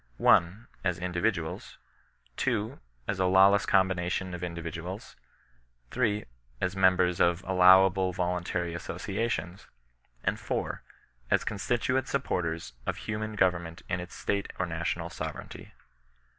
1. As individuals ; 2. As a lawless combination of indi Tiduals; 3. As members of allowable voluntary associa tions; and 4. As constituent supporters of himian go ▼erament in its State or National sovereignty.